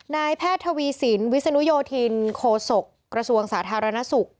นายแพทย์ทวีสินวิศนุโยธินโคศกระทรวงสาธารณสุข